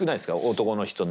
男の人の。